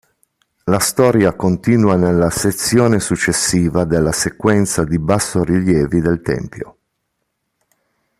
La storia continua nella sezione successiva della sequenza di bassorilievi del tempio.